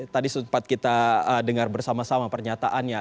tadi sempat kita dengar bersama sama pernyataannya